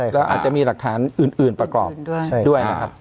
แล้วอาจจะมีหลักฐานอื่นประกอบด้วยนะครับ